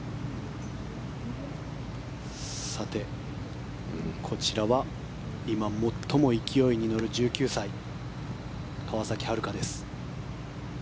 さて、こちらは今、最も勢いに乗る１９歳川崎春花です。